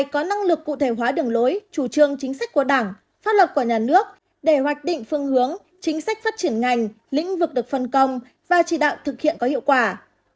có năng lực cụ thể hóa đường lối chủ trương chính sách của đảng pháp luật của nhà nước để hoạch định phương hướng chính sách phát triển ngành lĩnh vực được phân công và chỉ đạo thực hiện có hiệu quả